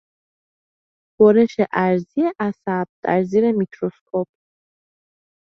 برش عرضی عصب در زیر میکروسکوپ